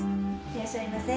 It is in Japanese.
いらっしゃいませ。